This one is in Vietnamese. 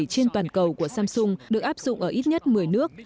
trên toàn cầu của samsung được áp dụng ở ít nhất một mươi nước